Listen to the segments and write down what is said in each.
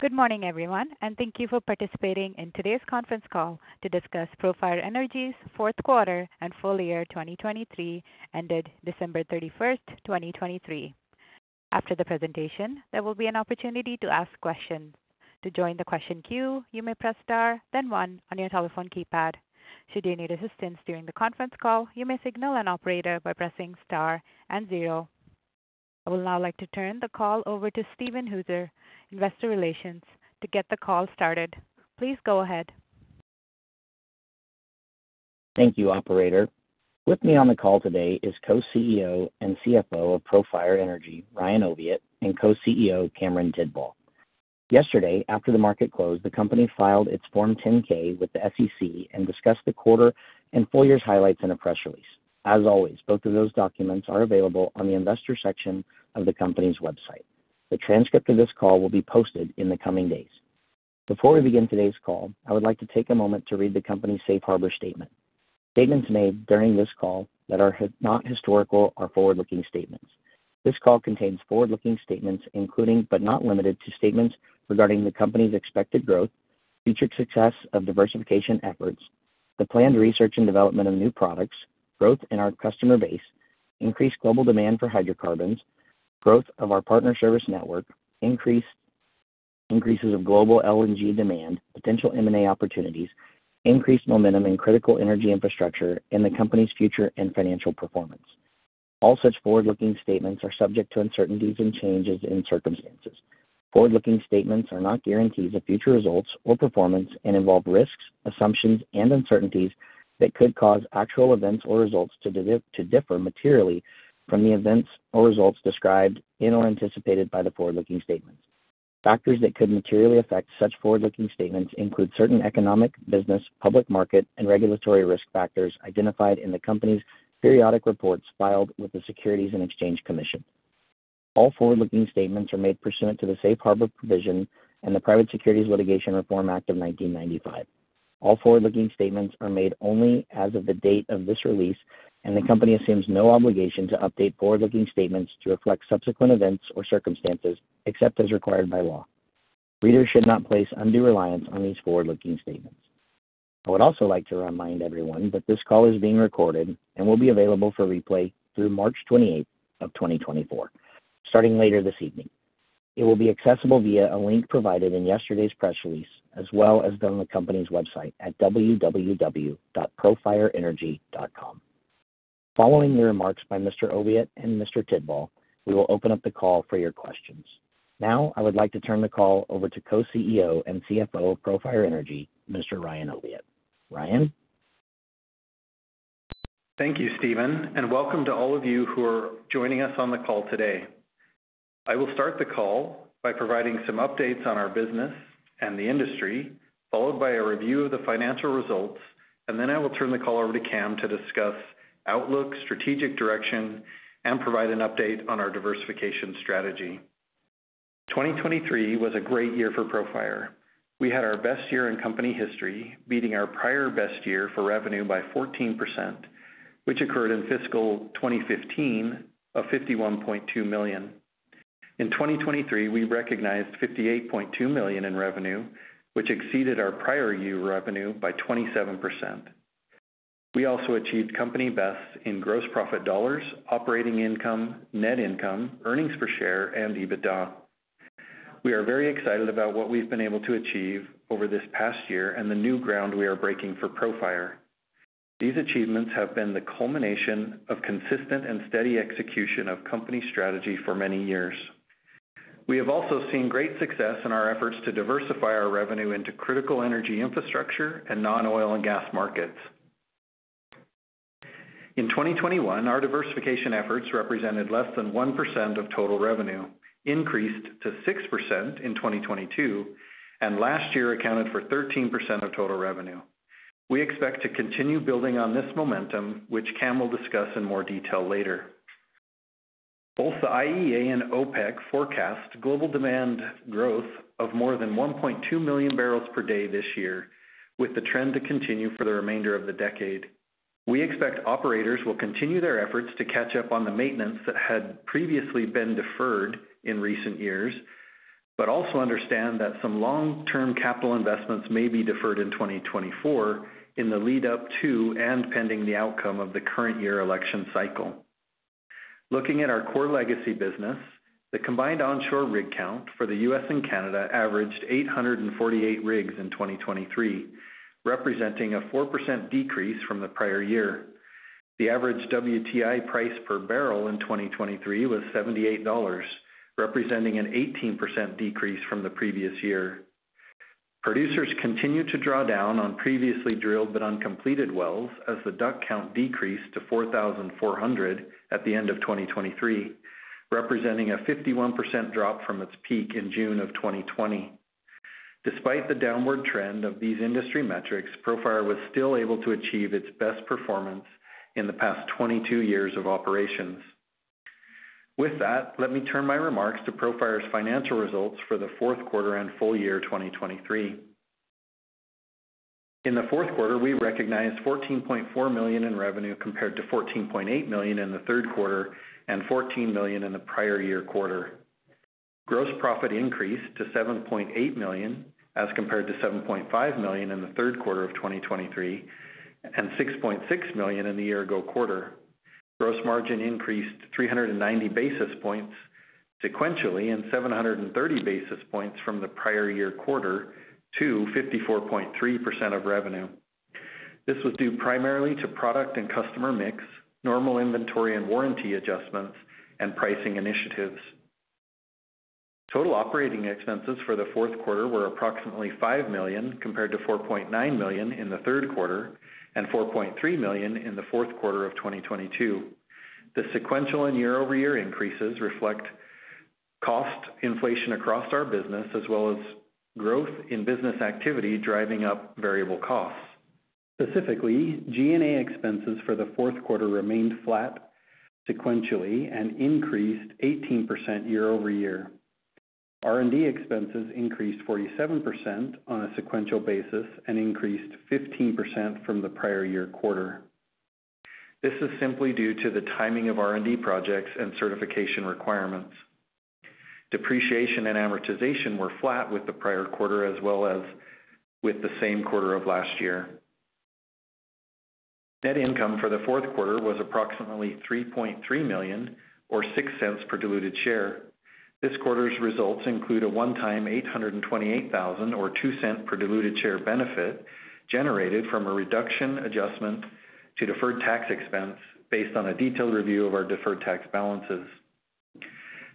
Good morning, everyone, and thank you for participating in today's conference call to discuss Profire Energy's fourth quarter and full year 2023, ended December 31, 2023. After the presentation, there will be an opportunity to ask questions. To join the question queue, you may press star, then one on your telephone keypad. Should you need assistance during the conference call, you may signal an operator by pressing star and zero. I would now like to turn the call over to Steven Hooser, Investor Relations, to get the call started. Please go ahead. Thank you, operator. With me on the call today is Co-CEO and CFO of Profire Energy, Ryan Oviatt, and Co-CEO, Cameron Tidball. Yesterday, after the market closed, the company filed its Form 10-K with the SEC and discussed the quarter and full year's highlights in a press release. As always, both of those documents are available on the investor section of the company's website. The transcript of this call will be posted in the coming days. Before we begin today's call, I would like to take a moment to read the company's Safe Harbor statement. Statements made during this call that are not historical are forward-looking statements. This call contains forward-looking statements, including, but not limited to, statements regarding the company's expected growth, future success of diversification efforts, the planned research and development of new products, growth in our customer base, increased global demand for hydrocarbons, growth of our partner service network, increases of global LNG demand, potential M&A opportunities, increased momentum in critical energy infrastructure, and the company's future and financial performance. All such forward-looking statements are subject to uncertainties and changes in circumstances. Forward-looking statements are not guarantees of future results or performance and involve risks, assumptions, and uncertainties that could cause actual events or results to differ materially from the events or results described in or anticipated by the forward-looking statements. Factors that could materially affect such forward-looking statements include certain economic, business, public market, and regulatory risk factors identified in the company's periodic reports filed with the Securities and Exchange Commission. All forward-looking statements are made pursuant to the Safe Harbor Provision and the Private Securities Litigation Reform Act of 1995. All forward-looking statements are made only as of the date of this release, and the company assumes no obligation to update forward-looking statements to reflect subsequent events or circumstances, except as required by law. Readers should not place undue reliance on these forward-looking statements. I would also like to remind everyone that this call is being recorded and will be available for replay through March 28, 2024, starting later this evening. It will be accessible via a link provided in yesterday's press release, as well as on the company's website at www.profireenergy.com. Following the remarks by Mr. Oviatt and Mr. Tidball, we will open up the call for your questions. Now, I would like to turn the call over to Co-CEO and CFO of Profire Energy, Mr. Ryan Oviatt. Ryan? Thank you, Stephen, and welcome to all of you who are joining us on the call today. I will start the call by providing some updates on our business and the industry, followed by a review of the financial results, and then I will turn the call over to Cam to discuss outlook, strategic direction, and provide an update on our diversification strategy. 2023 was a great year for Profire. We had our best year in company history, beating our prior best year for revenue by 14%, which occurred in fiscal 2015 of $51.2 million. In 2023, we recognized $58.2 million in revenue, which exceeded our prior year revenue by 27%. We also achieved company bests in gross profit dollars, operating income, net income, earnings per share, and EBITDA. We are very excited about what we've been able to achieve over this past year and the new ground we are breaking for Profire. These achievements have been the culmination of consistent and steady execution of company strategy for many years. We have also seen great success in our efforts to diversify our revenue into critical energy infrastructure and non-oil and gas markets. In 2021, our diversification efforts represented less than 1% of total revenue, increased to 6% in 2022, and last year accounted for 13% of total revenue. We expect to continue building on this momentum, which Cam will discuss in more detail later. Both the IEA and OPEC forecast global demand growth of more than 1.2 million barrels per day this year, with the trend to continue for the remainder of the decade. We expect operators will continue their efforts to catch up on the maintenance that had previously been deferred in recent years, but also understand that some long-term capital investments may be deferred in 2024 in the lead up to and pending the outcome of the current year election cycle. Looking at our core legacy business, the combined onshore rig count for the U.S. and Canada averaged 848 rigs in 2023, representing a 4% decrease from the prior year. The average WTI price per barrel in 2023 was $78, representing an 18% decrease from the previous year. Producers continued to draw down on previously drilled but uncompleted wells as the DUC count decreased to 4,400 at the end of 2023, representing a 51% drop from its peak in June of 2020. Despite the downward trend of these industry metrics, Profire was still able to achieve its best performance in the past 22 years of operations. With that, let me turn my remarks to Profire's financial results for the fourth quarter and full year 2023. In the fourth quarter, we recognized $14.4 million in revenue compared to $14.8 million in the third quarter and $14 million in the prior year quarter. Gross profit increased to $7.8 million, as compared to $7.5 million in the third quarter of 2023 and $6.6 million in the year-ago quarter. Gross margin increased 390 basis points sequentially and 730 basis points from the prior year quarter to 54.3% of revenue. This was due primarily to product and customer mix, normal inventory and warranty adjustments, and pricing initiatives. Total operating expenses for the fourth quarter were approximately $5 million, compared to $4.9 million in the third quarter and $4.3 million in the fourth quarter of 2022. The sequential and year-over-year increases reflect cost inflation across our business, as well as growth in business activity, driving up variable costs. Specifically, G&A expenses for the fourth quarter remained flat sequentially and increased 18% year-over-year. R&D expenses increased 47% on a sequential basis and increased 15% from the prior year quarter. This is simply due to the timing of R&D projects and certification requirements. Depreciation and amortization were flat with the prior quarter, as well as with the same quarter of last year. Net income for the fourth quarter was approximately $3.3 million, or $0.06 per diluted share. This quarter's results include a one-time $828,000, or $0.02 per diluted share benefit, generated from a reduction adjustment to deferred tax expense based on a detailed review of our deferred tax balances.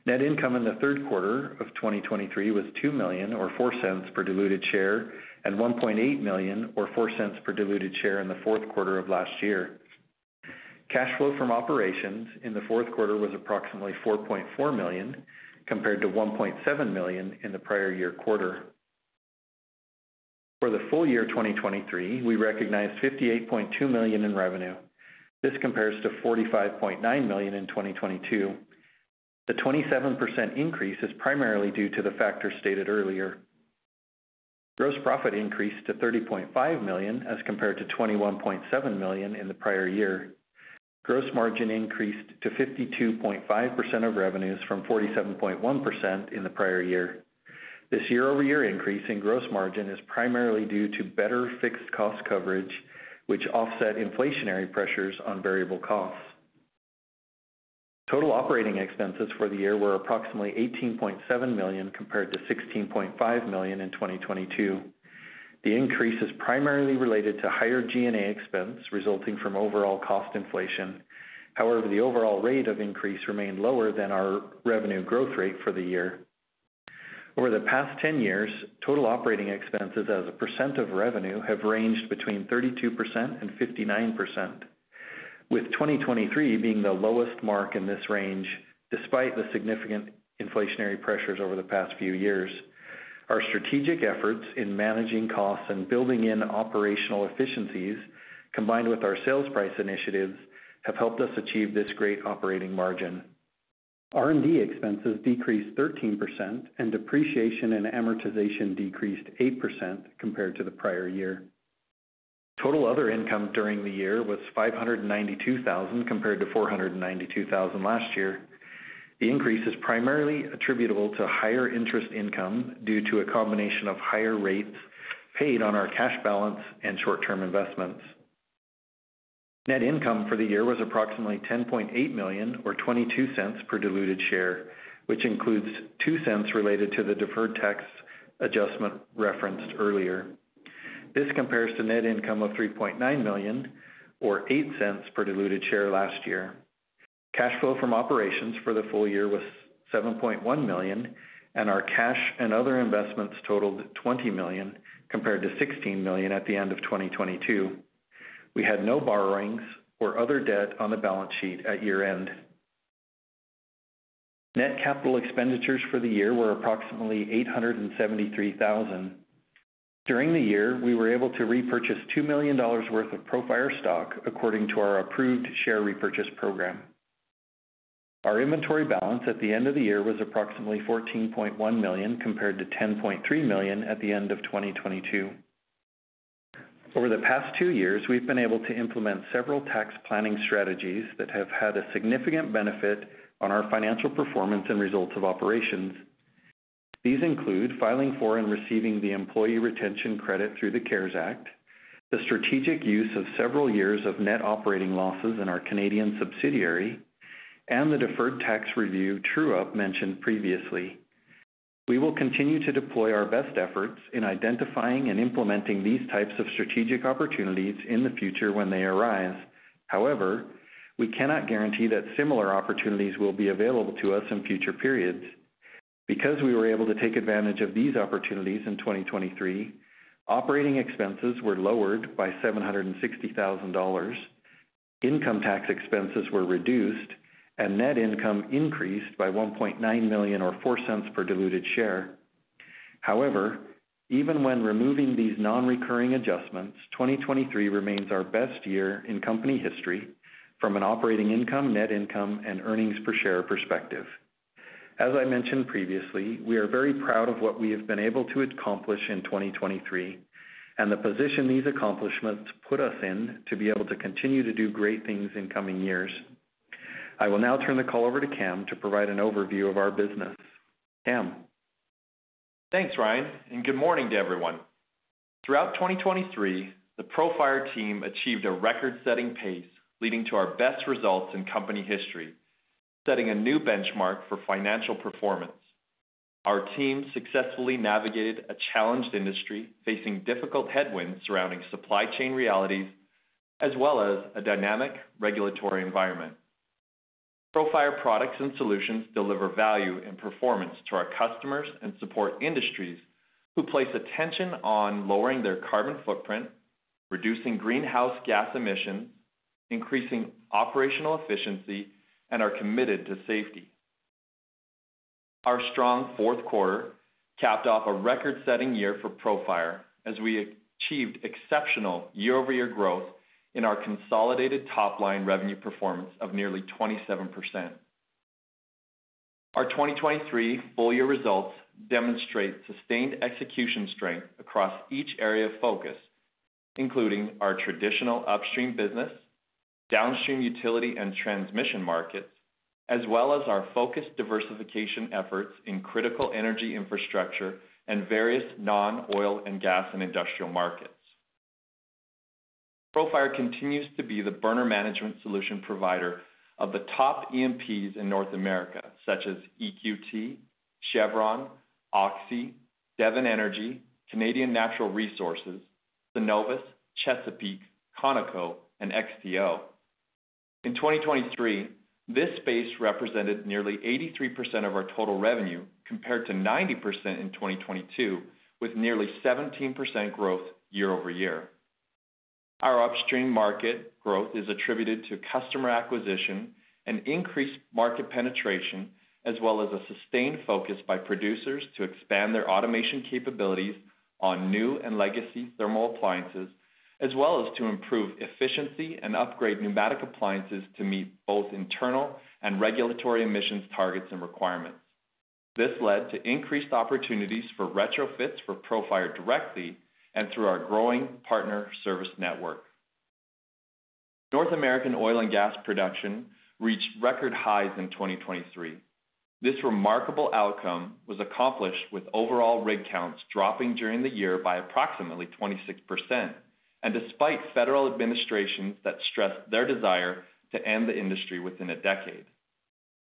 Net income in the third quarter of 2023 was $2 million, or $0.04 per diluted share, and $1.8 million, or $0.04 per diluted share in the fourth quarter of last year. Cash flow from operations in the fourth quarter was approximately $4.4 million, compared to $1.7 million in the prior year quarter. For the full year of 2023, we recognized $58.2 million in revenue. This compares to $45.9 million in 2022. The 27% increase is primarily due to the factors stated earlier. Gross profit increased to $30.5 million, as compared to $21.7 million in the prior year. Gross margin increased to 52.5% of revenues from 47.1% in the prior year. This year-over-year increase in gross margin is primarily due to better fixed cost coverage, which offset inflationary pressures on variable costs. Total operating expenses for the year were approximately $18.7 million, compared to $16.5 million in 2022. The increase is primarily related to higher G&A expense resulting from overall cost inflation. However, the overall rate of increase remained lower than our revenue growth rate for the year. Over the past 10 years, total operating expenses as a percent of revenue have ranged between 32% and 59%, with 2023 being the lowest mark in this range, despite the significant inflationary pressures over the past few years. Our strategic efforts in managing costs and building in operational efficiencies, combined with our sales price initiatives, have helped us achieve this great operating margin. R&D expenses decreased 13%, and depreciation and amortization decreased 8% compared to the prior year. Total other income during the year was $592,000, compared to $492,000 last year. The increase is primarily attributable to higher interest income due to a combination of higher rates paid on our cash balance and short-term investments. Net income for the year was approximately $10.8 million, or $0.22 per diluted share, which includes $0.02 related to the deferred tax adjustment referenced earlier. This compares to net income of $3.9 million, or $0.08 per diluted share last year. Cash flow from operations for the full year was $7.1 million, and our cash and other investments totaled $20 million, compared to $16 million at the end of 2022. We had no borrowings or other debt on the balance sheet at year-end. Net capital expenditures for the year were approximately $873,000. During the year, we were able to repurchase $2 million worth of Profire stock according to our approved share repurchase program. Our inventory balance at the end of the year was approximately $14.1 million, compared to $10.3 million at the end of 2022. Over the past two years, we've been able to implement several tax planning strategies that have had a significant benefit on our financial performance and results of operations. These include filing for and receiving the employee retention credit through the CARES Act, the strategic use of several years of net operating losses in our Canadian subsidiary, and the deferred tax review true-up mentioned previously. We will continue to deploy our best efforts in identifying and implementing these types of strategic opportunities in the future when they arise. However, we cannot guarantee that similar opportunities will be available to us in future periods. Because we were able to take advantage of these opportunities in 2023, operating expenses were lowered by $760,000, income tax expenses were reduced, and net income increased by $1.9 million, or $0.04 per diluted share. However, even when removing these non-recurring adjustments, 2023 remains our best year in company history from an operating income, net income, and earnings per share perspective. As I mentioned previously, we are very proud of what we have been able to accomplish in 2023, and the position these accomplishments put us in to be able to continue to do great things in coming years. I will now turn the call over to Cam to provide an overview of our business. Cam? Thanks, Ryan, and good morning to everyone. Throughout 2023, the Profire team achieved a record-setting pace, leading to our best results in company history, setting a new benchmark for financial performance. Our team successfully navigated a challenged industry, facing difficult headwinds surrounding supply chain realities, as well as a dynamic regulatory environment. Profire products and solutions deliver value and performance to our customers and support industries who place attention on lowering their carbon footprint, reducing greenhouse gas emissions, increasing operational efficiency, and are committed to safety. Our strong fourth quarter capped off a record-setting year for Profire, as we achieved exceptional year-over-year growth in our consolidated top-line revenue performance of nearly 27%. Our 2023 full year results demonstrate sustained execution strength across each area of focus, including our traditional upstream business, downstream utility and transmission markets, as well as our focused diversification efforts in critical energy infrastructure and various non-oil and gas and industrial markets. Profire continues to be the burner management solution provider of the top OEMs in North America, such as EQT, Chevron, Oxy, Devon Energy, Canadian Natural Resources, Cenovus, Chesapeake, Conoco, and XTO. In 2023, this space represented nearly 83% of our total revenue, compared to 90% in 2022, with nearly 17% growth year-over-year. Our upstream market growth is attributed to customer acquisition and increased market penetration, as well as a sustained focus by producers to expand their automation capabilities on new and legacy thermal appliances, as well as to improve efficiency and upgrade pneumatic appliances to meet both internal and regulatory emissions targets and requirements. This led to increased opportunities for retrofits for Profire directly and through our growing partner service network. North American oil and gas production reached record highs in 2023. This remarkable outcome was accomplished with overall rig counts dropping during the year by approximately 26%, and despite federal administrations that stressed their desire to end the industry within a decade.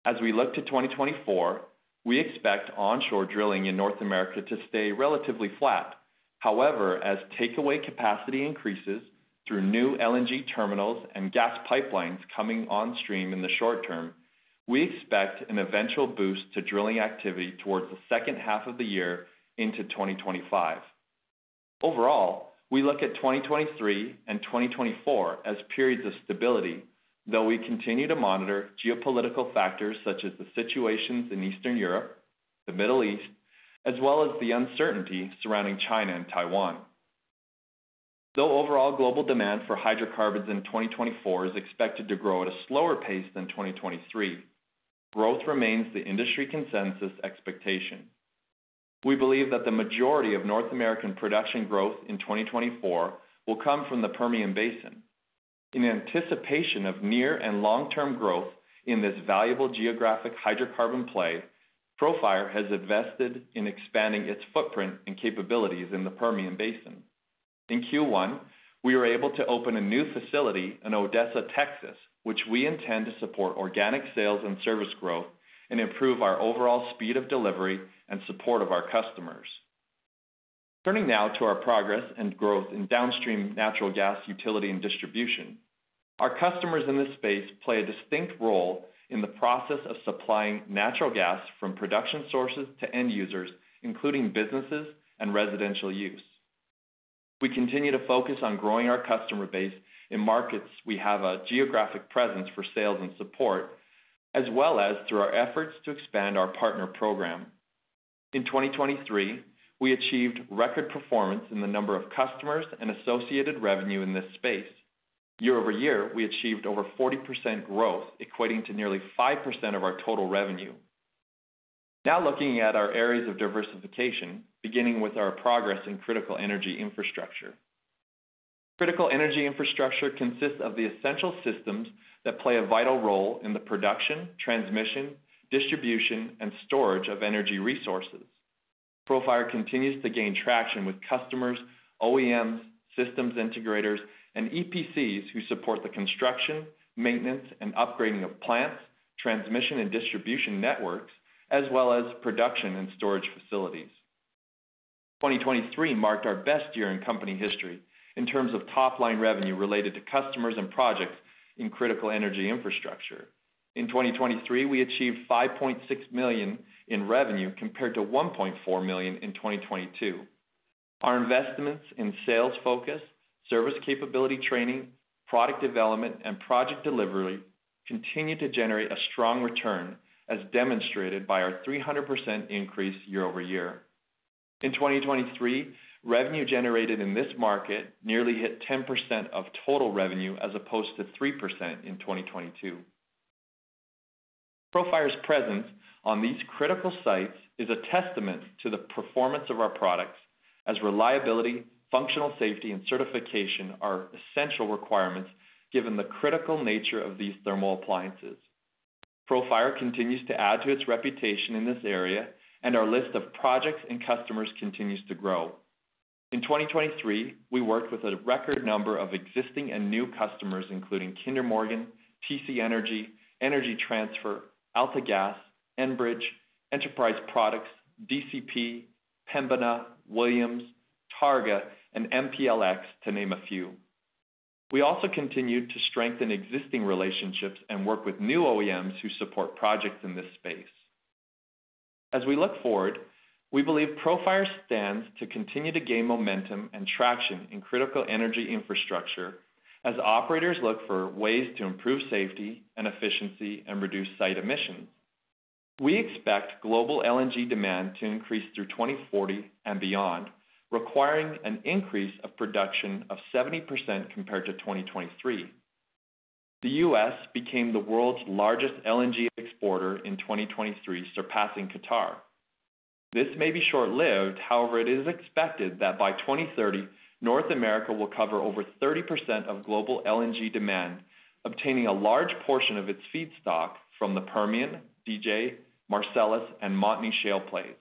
As we look to 2024, we expect onshore drilling in North America to stay relatively flat. However, as takeaway capacity increases through new LNG terminals and gas pipelines coming on stream in the short term, we expect an eventual boost to drilling activity towards the second half of the year into 2025. Overall, we look at 2023 and 2024 as periods of stability, though we continue to monitor geopolitical factors such as the situations in Eastern Europe, the Middle East, as well as the uncertainty surrounding China and Taiwan. Though overall global demand for hydrocarbons in 2024 is expected to grow at a slower pace than 2023, growth remains the industry consensus expectation. We believe that the majority of North American production growth in 2024 will come from the Permian Basin. In anticipation of near and long-term growth in this valuable geographic hydrocarbon play, Profire has invested in expanding its footprint and capabilities in the Permian Basin. In Q1, we were able to open a new facility in Odessa, Texas, which we intend to support organic sales and service growth and improve our overall speed of delivery and support of our customers. Turning now to our progress and growth in downstream natural gas, utility, and distribution. Our customers in this space play a distinct role in the process of supplying natural gas from production sources to end users, including businesses and residential use. We continue to focus on growing our customer base in markets we have a geographic presence for sales and support, as well as through our efforts to expand our partner program. In 2023, we achieved record performance in the number of customers and associated revenue in this space. Year-over-year, we achieved over 40% growth, equating to nearly 5% of our total revenue. Now looking at our areas of diversification, beginning with our progress in critical energy infrastructure. Critical energy infrastructure consists of the essential systems that play a vital role in the production, transmission, distribution, and storage of energy resources. Profire continues to gain traction with customers, OEMs, systems integrators, and EPCs who support the construction, maintenance, and upgrading of plants, transmission and distribution networks, as well as production and storage facilities. 2023 marked our best year in company history in terms of top-line revenue related to customers and projects in critical energy infrastructure. In 2023, we achieved $5.6 million in revenue, compared to $1.4 million in 2022. Our investments in sales focus, service capability training, product development, and project delivery continued to generate a strong return, as demonstrated by our 300% increase year-over-year. In 2023, revenue generated in this market nearly hit 10% of total revenue, as opposed to 3% in 2022. Profire's presence on these critical sites is a testament to the performance of our products, as reliability, functional safety, and certification are essential requirements, given the critical nature of these thermal appliances. Profire continues to add to its reputation in this area, and our list of projects and customers continues to grow. In 2023, we worked with a record number of existing and new customers, including Kinder Morgan, TC Energy, Energy Transfer, AltaGas, Enbridge, Enterprise Products, DCP, Pembina, Williams, Targa, and MPLX, to name a few. We also continued to strengthen existing relationships and work with new OEMs who support projects in this space. As we look forward, we believe Profire stands to continue to gain momentum and traction in critical energy infrastructure as operators look for ways to improve safety and efficiency and reduce site emissions. We expect global LNG demand to increase through 2040 and beyond, requiring an increase of production of 70% compared to 2023. The U.S. became the world's largest LNG exporter in 2023, surpassing Qatar. This may be short-lived. However, it is expected that by 2030, North America will cover over 30% of global LNG demand, obtaining a large portion of its feedstock from the Permian, DJ, Marcellus, and Montney shale plays.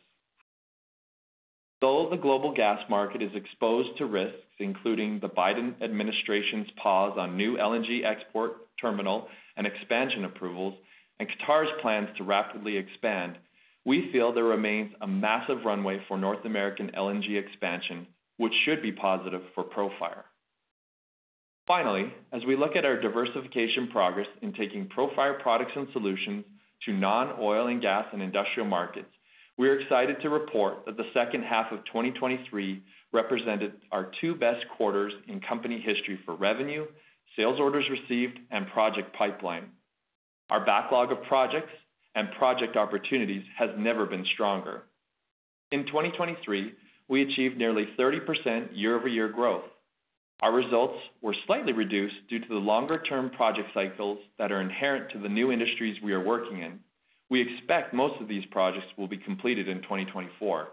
Though the global gas market is exposed to risks, including the Biden administration's pause on new LNG export terminal and expansion approvals and Qatar's plans to rapidly expand, we feel there remains a massive runway for North American LNG expansion, which should be positive for Profire. Finally, as we look at our diversification progress in taking Profire products and solutions to non-oil and gas and industrial markets, we are excited to report that the second half of 2023 represented our two best quarters in company history for revenue, sales orders received, and project pipeline. Our backlog of projects and project opportunities has never been stronger. In 2023, we achieved nearly 30% year-over-year growth. Our results were slightly reduced due to the longer-term project cycles that are inherent to the new industries we are working in. We expect most of these projects will be completed in 2024.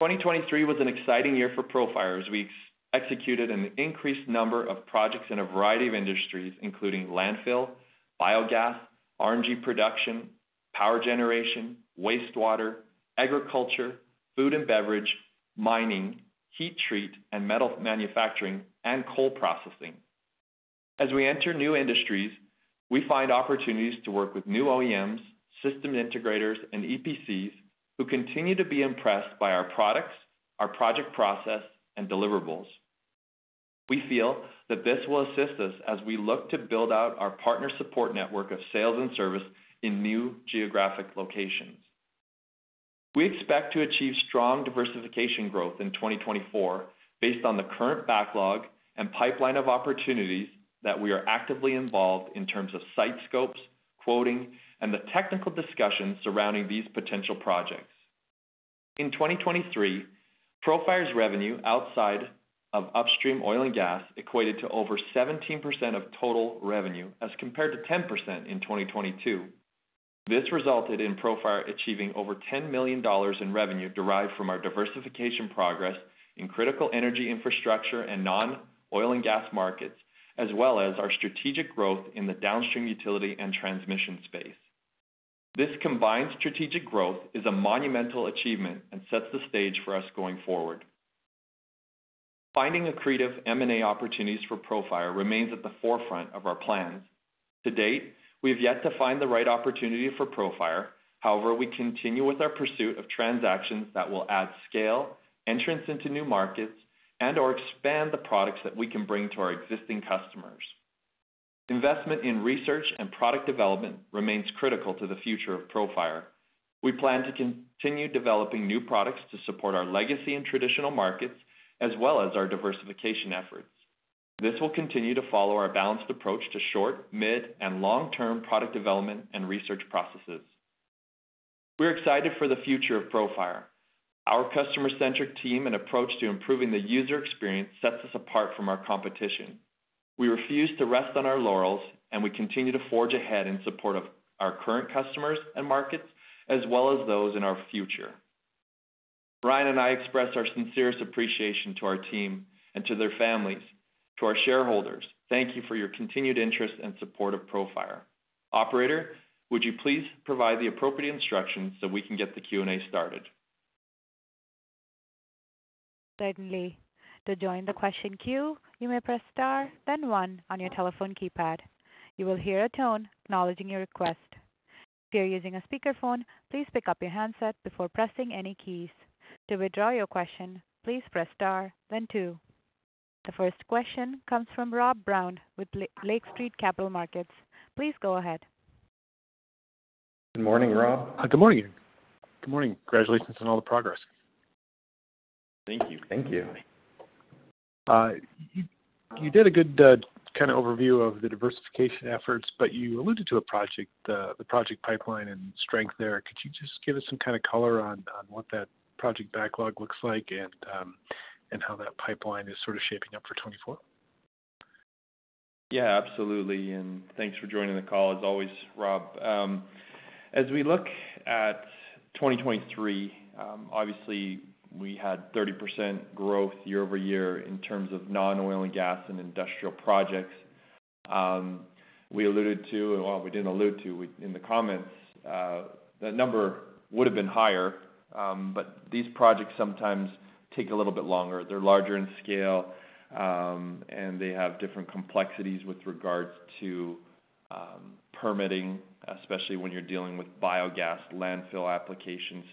2023 was an exciting year for Profire as we executed an increased number of projects in a variety of industries, including landfill, biogas, RNG production, power generation, wastewater, agriculture, food and beverage, mining, heat treat and metal manufacturing, and coal processing. As we enter new industries, we find opportunities to work with new OEMs, system integrators, and EPCs, who continue to be impressed by our products, our project process, and deliverables. We feel that this will assist us as we look to build out our partner support network of sales and service in new geographic locations. We expect to achieve strong diversification growth in 2024, based on the current backlog and pipeline of opportunities that we are actively involved in terms of site scopes, quoting, and the technical discussions surrounding these potential projects. In 2023, Profire's revenue outside of upstream oil and gas equated to over 17% of total revenue, as compared to 10% in 2022. This resulted in Profire achieving over $10 million in revenue derived from our diversification progress in critical energy infrastructure and non-oil and gas markets, as well as our strategic growth in the downstream utility and transmission space. This combined strategic growth is a monumental achievement and sets the stage for us going forward. Finding accretive M&A opportunities for Profire remains at the forefront of our plans. To date, we have yet to find the right opportunity for Profire. However, we continue with our pursuit of transactions that will add scale, entrance into new markets, and/or expand the products that we can bring to our existing customers. Investment in research and product development remains critical to the future of Profire. We plan to continue developing new products to support our legacy and traditional markets, as well as our diversification efforts. This will continue to follow our balanced approach to short, mid, and long-term product development and research processes. We're excited for the future of Profire. Our customer-centric team and approach to improving the user experience sets us apart from our competition. We refuse to rest on our laurels, and we continue to forge ahead in support of our current customers and markets, as well as those in our future. Ryan and I express our sincerest appreciation to our team and to their families. To our shareholders, thank you for your continued interest and support of Profire. Operator, would you please provide the appropriate instructions so we can get the Q&A started? Certainly. To join the question queue, you may press star, then one on your telephone keypad. You will hear a tone acknowledging your request. If you're using a speakerphone, please pick up your handset before pressing any keys. To withdraw your question, please press star, then two. The first question comes from Rob Brown with Lake Street Capital Markets. Please go ahead. Good morning, Rob. Good morning. Congratulations on all the progress. Thank you. You did a good kind of overview of the diversification efforts, but you alluded to a project, the project pipeline and strength there. Could you just give us some kind of color on what that project backlog looks like and how that pipeline is sort of shaping up for 2024? Yeah, absolutely. And thanks for joining the call as always, Rob. As we look at 2023, obviously, we had 30% growth year-over-year in terms of non-oil and gas and industrial projects. We alluded to - well, we didn't allude to. We in the comments, that number would have been higher, but these projects sometimes take a little bit longer. They're larger in scale, and they have different complexities with regards to, permitting, especially when you're dealing with biogas landfill applications.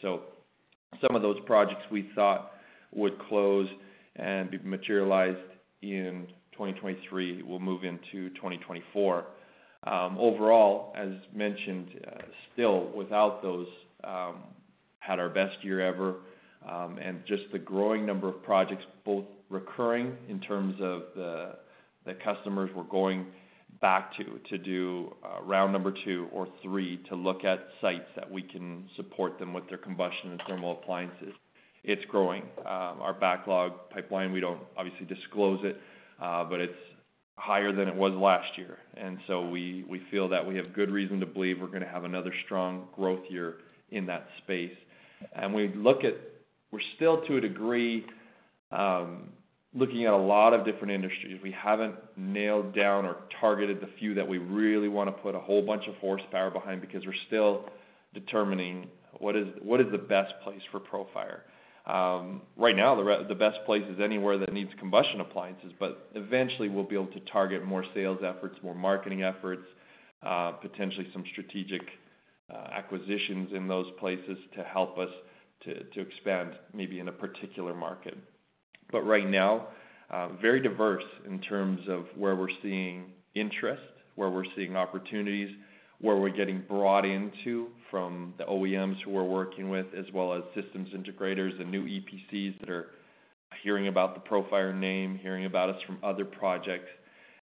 So some of those projects we thought would close and be materialized in 2023, will move into 2024. Overall, as mentioned, still without those, had our best year ever, and just the growing number of projects, both recurring in terms of the customers were going back to, to do round number two or three, to look at sites that we can support them with their combustion and thermal appliances. It's growing. Our backlog pipeline, we don't obviously disclose it, but it's higher than it was last year, and so we feel that we have good reason to believe we're gonna have another strong growth year in that space. And we're still, to a degree, looking at a lot of different industries. We haven't nailed down or targeted the few that we really wanna put a whole bunch of horsepower behind because we're still determining what is the best place for Profire. Right now, the best place is anywhere that needs combustion appliances, but eventually, we'll be able to target more sales efforts, more marketing efforts, potentially some strategic acquisitions in those places to help us to expand maybe in a particular market. But right now, very diverse in terms of where we're seeing interest, where we're seeing opportunities, where we're getting brought into from the OEMs who we're working with, as well as systems integrators and new EPCs that are hearing about the Profire name, hearing about us from other projects,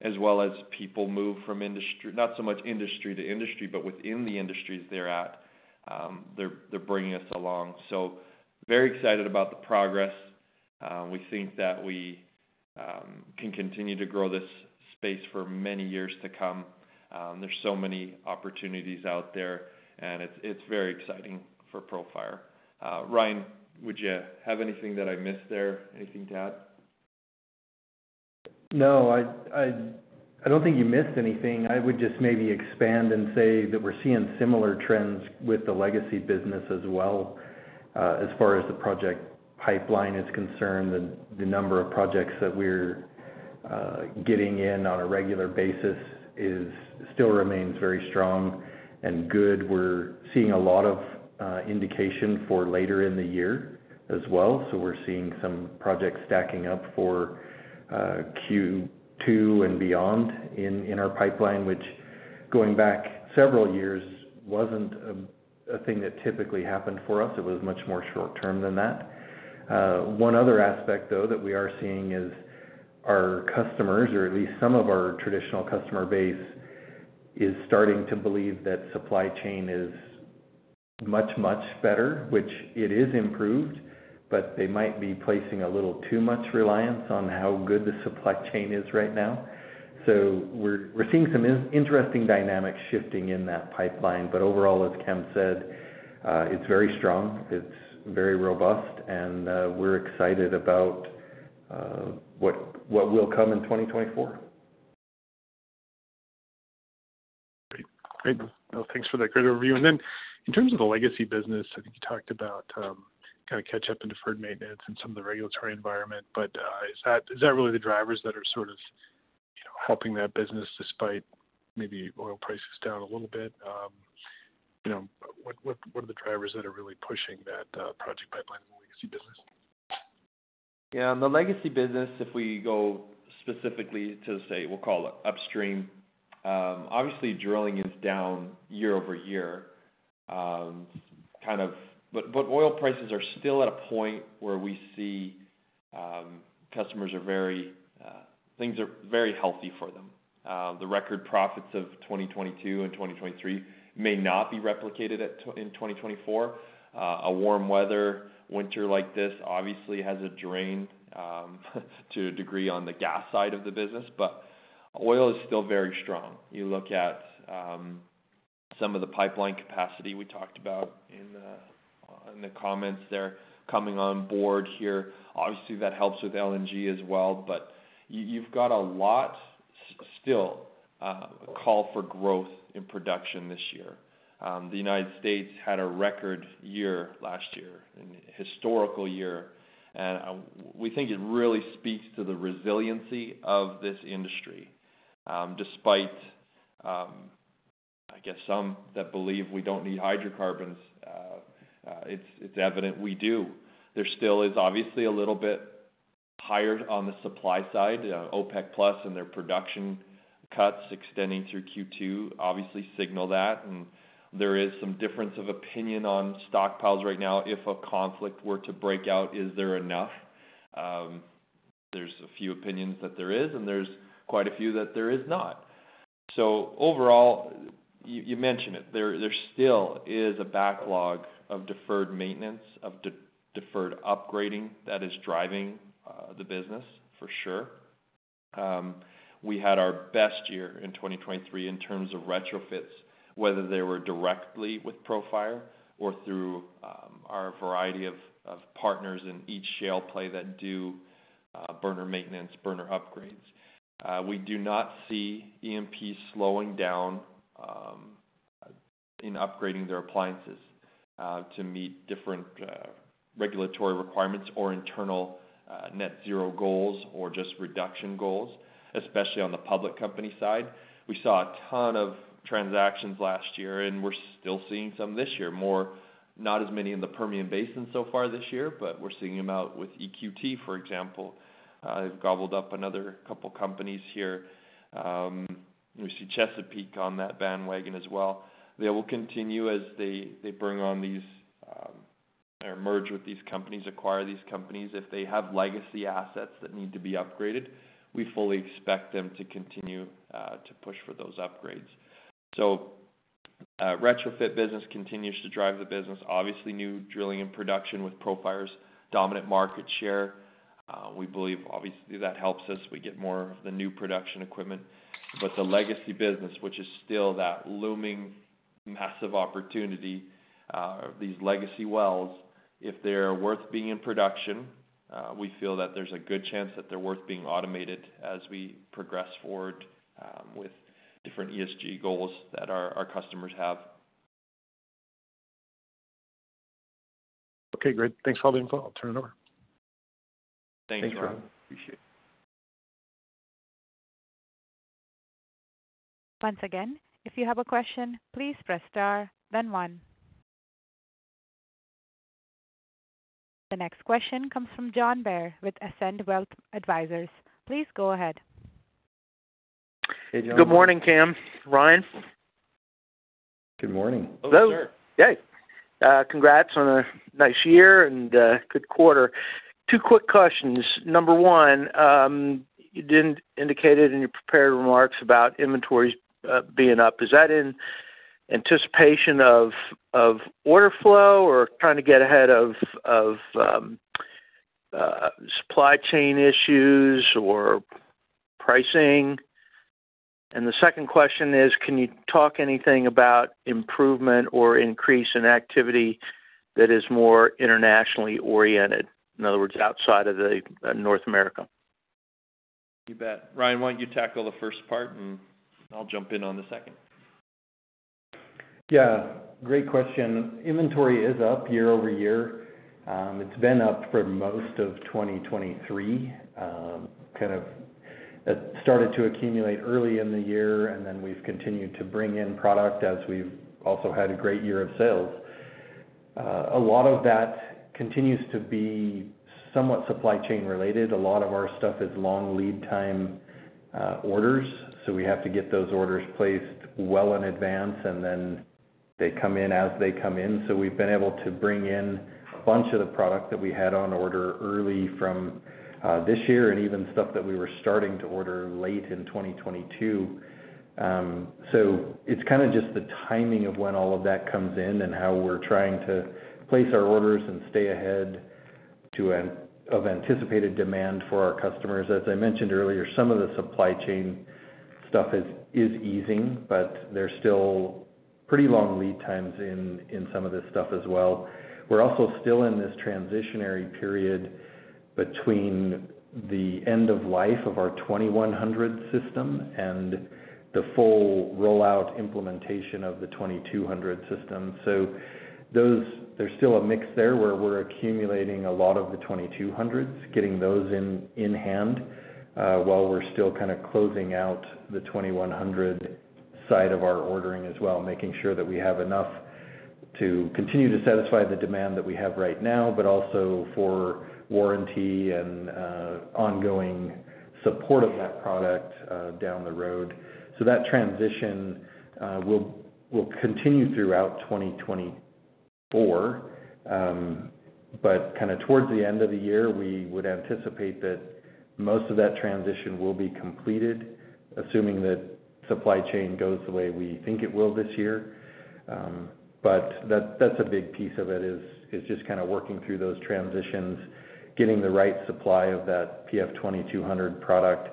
as well as people move from industry, not so much industry to industry, but within the industries they're at, they're bringing us along. So very excited about the progress. We think that we can continue to grow this space for many years to come. There's so many opportunities out there, and it's very exciting for Profire. Ryan, would you have anything that I missed there? Anything to add? No, I don't think you missed anything. I would just maybe expand and say that we're seeing similar trends with the legacy business as well. As far as the project pipeline is concerned, the number of projects that we're getting in on a regular basis is still remains very strong and good. We're seeing a lot of indication for later in the year as well. So we're seeing some projects stacking up for Q2 and beyond in our pipeline, which going back several years, wasn't a thing that typically happened for us. It was much more short term than that. One other aspect, though, that we are seeing is our customers, or at least some of our traditional customer base, is starting to believe that supply chain is much, much better, which it is improved, but they might be placing a little too much reliance on how good the supply chain is right now. So we're, we're seeing some interesting dynamics shifting in that pipeline. But overall, as Cam said, it's very strong, it's very robust, and, we're excited about, what will come in 2024. Great. Great. Well, thanks for that great overview. And then in terms of the legacy business, I think you talked about kinda catch up in deferred maintenance and some of the regulatory environment, but is that, is that really the drivers that are sort of helping that business despite maybe oil prices down a little bit? You know, what, what, what are the drivers that are really pushing that project pipeline in the legacy business? Yeah, in the legacy business, if we go specifically to, say, we'll call it upstream, obviously, drilling is down year-over-year. But oil prices are still at a point where we see, customers are very. Things are very healthy for them. The record profits of 2022 and 2023 may not be replicated in 2024. A warm weather winter like this obviously has a drain, to a degree, on the gas side of the business, but oil is still very strong. You look at some of the pipeline capacity we talked about in the comments there, coming on board here. Obviously, that helps with LNG as well, but you've got a lot still, call for growth in production this year. The United States had a record year last year, a historical year, and we think it really speaks to the resiliency of this industry. Despite, I guess, some that believe we don't need hydrocarbons, it's evident we do. There still is obviously a little bit higher on the supply side, OPEC+ and their production cuts extending through Q2 obviously signal that, and there is some difference of opinion on stockpiles right now. If a conflict were to break out, is there enough? There's a few opinions that there is, and there's quite a few that there is not. So overall, you mentioned it, there still is a backlog of deferred maintenance, of deferred upgrading that is driving the business for sure. We had our best year in 2023 in terms of retrofits, whether they were directly with Profire or through our variety of partners in each shale play that do burner maintenance, burner upgrades. We do not see E&P slowing down in upgrading their applications to meet different regulatory requirements or internal net zero goals, or just reduction goals, especially on the public company side. We saw a ton of transactions last year, and we're still seeing some this year. More, not as many in the Permian Basin so far this year, but we're seeing them out with EQT, for example. They've gobbled up another couple companies here. We see Chesapeake on that bandwagon as well. They will continue as they bring on these or merge with these companies, acquire these companies. If they have legacy assets that need to be upgraded, we fully expect them to continue to push for those upgrades. So, retrofit business continues to drive the business. Obviously, new drilling and production with Profire's dominant market share. We believe obviously that helps us. We get more of the new production equipment, but the legacy business, which is still that looming massive opportunity. These legacy wells, if they're worth being in production, we feel that there's a good chance that they're worth being automated as we progress forward with different ESG goals that our customers have. Okay, great. Thanks for all the info. I'll turn it over. Thanks, Rob. Thanks, Rob. Appreciate it. Once again, if you have a question, please press Star, then One. The next question comes from John Bair with Ascend Wealth Advisors. Please go ahead. Hey, John Bair. Good morning, Cam, Ryan. Good morning. Hello, sir. Yay! Congrats on a nice year and good quarter. Two quick questions. Number one, you didn't indicate it in your prepared remarks about inventories being up. Is that in anticipation of, of order flow or trying to get ahead of, of, supply chain issues or pricing? And the second question is, can you talk anything about improvement or increase in activity that is more internationally oriented, in other words, outside of the North America? You bet. Ryan, why don't you tackle the first part, and I'll jump in on the second. Yeah, great question. Inventory is up year over year. It's been up for most of 2023. Kind of it started to accumulate early in the year, and then we've continued to bring in product as we've also had a great year of sales. A lot of that continues to be somewhat supply chain related. A lot of our stuff is long lead time orders, so we have to get those orders placed well in advance, and then they come in as they come in. So we've been able to bring in a bunch of the product that we had on order early from this year and even stuff that we were starting to order late in 2022. So it's kinda just the timing of when all of that comes in and how we're trying to place our orders and stay ahead of anticipated demand for our customers. As I mentioned earlier, some of the supply chain stuff is easing, but there's still pretty long lead times in some of this stuff as well. We're also still in this transitionary period between the end of life of our 2100 system and the full rollout implementation of the 2200 system. So there's still a mix there, where we're accumulating a lot of the 2200s, getting those in hand, while we're still kinda closing out the 2100 side of our ordering as well, making sure that we have enough to continue to satisfy the demand that we have right now, but also for warranty and ongoing support of that product down the road. So that transition will continue throughout 2024. But kinda towards the end of the year, we would anticipate that most of that transition will be completed, assuming that supply chain goes the way we think it will this year. But that, that's a big piece of it, is just kinda working through those transitions, getting the right supply of that PF2200 product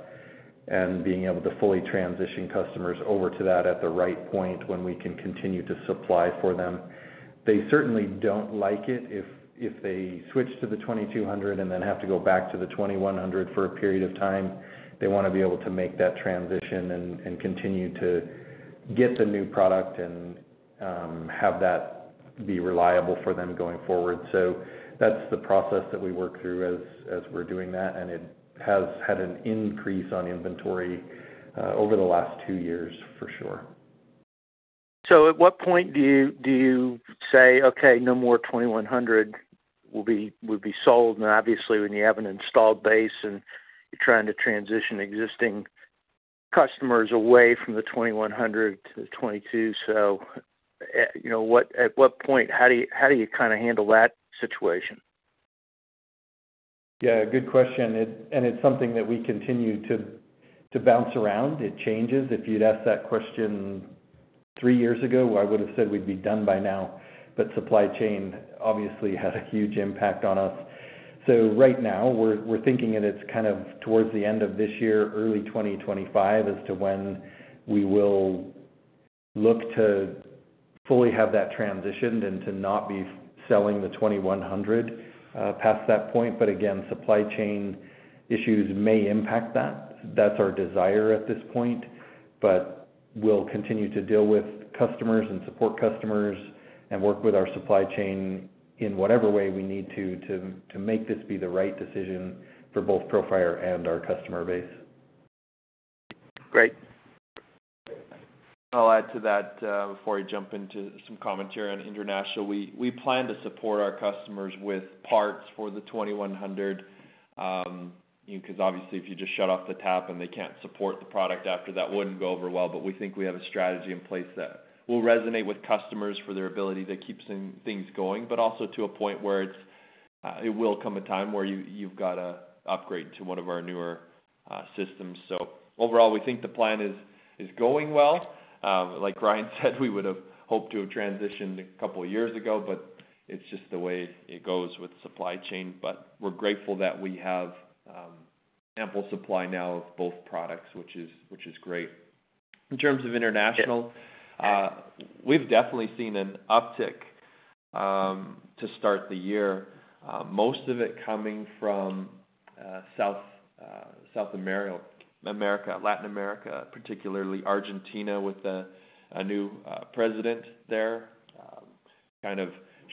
and being able to fully transition customers over to that at the right point when we can continue to supply for them. They certainly don't like it if they switch to the 2200 and then have to go back to the 2100 for a period of time. They wanna be able to make that transition and continue to get the new product and have that be reliable for them going forward. So that's the process that we work through as we're doing that, and it has had an increase on inventory over the last two years for sure.... So at what point do you, do you say, "Okay, no more 2100 will be, will be sold?" And obviously, when you have an installed base and you're trying to transition existing customers away from the 2100 to the 2200. So, you know what? At what point, how do you, how do you kind of handle that situation? Yeah, good question. It's something that we continue to bounce around. It changes. If you'd asked that question three years ago, I would have said we'd be done by now, but supply chain obviously had a huge impact on us. So right now, we're thinking it is kind of towards the end of this year, early 2025, as to when we will look to fully have that transitioned and to not be selling the 2100 past that point. But again, supply chain issues may impact that. That's our desire at this point, but we'll continue to deal with customers and support customers and work with our supply chain in whatever way we need to make this be the right decision for both Profire and our customer base. Great. I'll add to that, before I jump into some commentary on international. We, we plan to support our customers with parts for the 2100. You know, because obviously, if you just shut off the top and they can't support the product after that, wouldn't go over well. But we think we have a strategy in place that will resonate with customers for their ability to keep some things going, but also to a point where it's, it will come a time where you, you've got to upgrade to one of our newer systems. So overall, we think the plan is, is going well. Like Ryan said, we would have hoped to have transitioned a couple of years ago, but it's just the way it goes with supply chain. But we're grateful that we have ample supply now of both products, which is, which is great. In terms of international, we've definitely seen an uptick to start the year. Most of it coming from South America, Latin America, particularly Argentina, with a new president there, kind of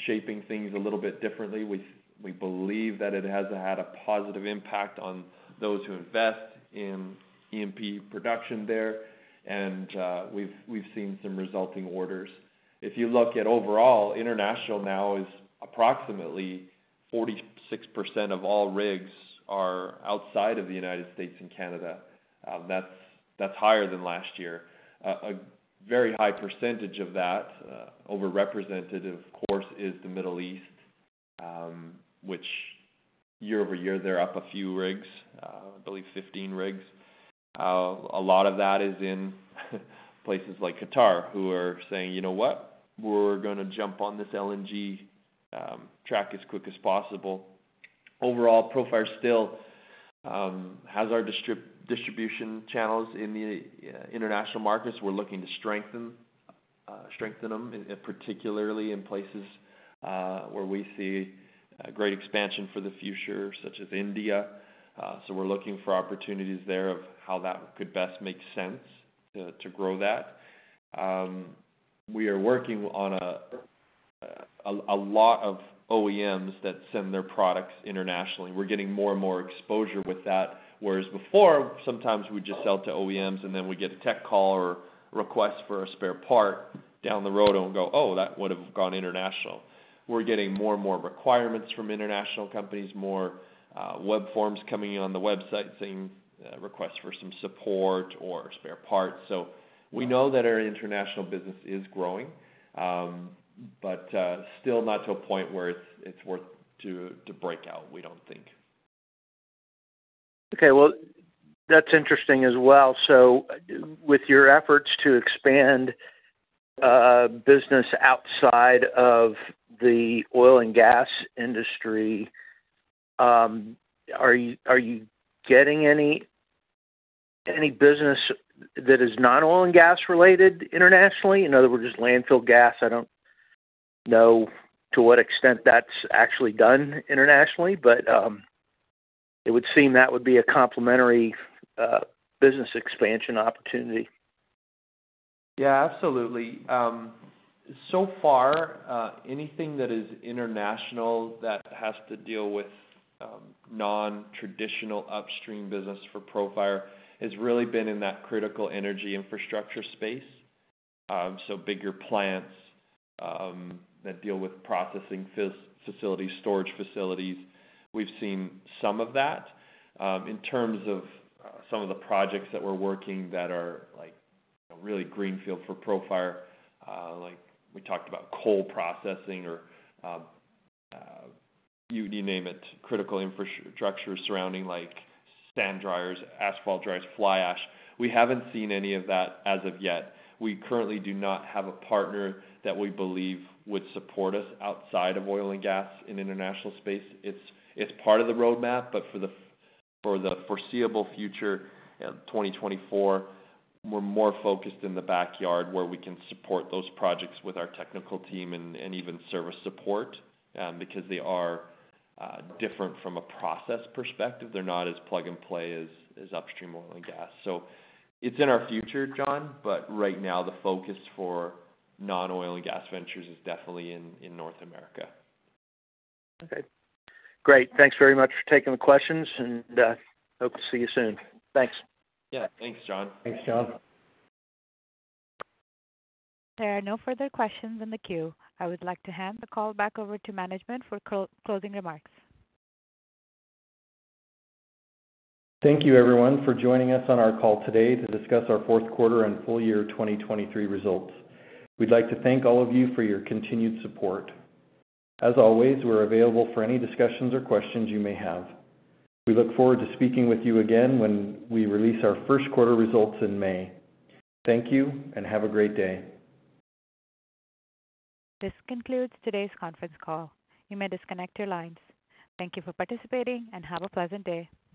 shaping things a little bit differently. We believe that it has had a positive impact on those who invest in E&P production there, and we've seen some resulting orders. If you look at overall, international now is approximately 46% of all rigs are outside of the United States and Canada. That's higher than last year. A very high percentage of that, overrepresented, of course, is the Middle East, which year-over-year, they're up a few rigs, I believe 15 rigs. A lot of that is in places like Qatar, who are saying, "You know what? We're gonna jump on this LNG track as quick as possible." Overall, Profire still has our distribution channels in the international markets. We're looking to strengthen them, and particularly in places where we see a great expansion for the future, such as India. So we're looking for opportunities there of how that could best make sense to grow that. We are working on a lot of OEMs that send their products internationally. We're getting more and more exposure with that, whereas before, sometimes we'd just sell to OEMs, and then we'd get a tech call or request for a spare part down the road and go, "Oh, that would have gone international." We're getting more and more requirements from international companies, more web forms coming in on the website, saying requests for some support or spare parts. So we know that our international business is growing, but still not to a point where it's worth to break out, we don't think. Okay, well, that's interesting as well. So with your efforts to expand business outside of the oil and gas industry, are you getting any business that is not oil and gas related internationally? In other words, just landfill gas. I don't know to what extent that's actually done internationally, but it would seem that would be a complementary business expansion opportunity. Yeah, absolutely. So far, anything that is international that has to deal with non-traditional upstream business for Profire has really been in that critical energy infrastructure space. So bigger plants that deal with processing facilities, storage facilities. We've seen some of that. In terms of some of the projects that we're working that are like really greenfield for Profire, like we talked about coal processing or you name it, critical infrastructure surrounding like sand dryers, asphalt dryers, fly ash. We haven't seen any of that as of yet. We currently do not have a partner that we believe would support us outside of oil and gas in international space. It's part of the roadmap, but for the foreseeable future, 2024, we're more focused in the backyard, where we can support those projects with our technical team and even service support. Because they are different from a process perspective. They're not as plug-and-play as upstream oil and gas. So it's in our future, John, but right now, the focus for non-oil and gas ventures is definitely in North America. Okay, great. Thanks very much for taking the questions, and hope to see you soon. Thanks. Yeah. Thanks, John. Thanks, John. There are no further questions in the queue. I would like to hand the call back over to management for closing remarks. Thank you, everyone, for joining us on our call today to discuss our fourth quarter and full year 2023 results. We'd like to thank all of you for your continued support. As always, we're available for any discussions or questions you may have. We look forward to speaking with you again when we release our first quarter results in May. Thank you, and have a great day. This concludes today's conference call. You may disconnect your lines. Thank you for participating, and have a pleasant day.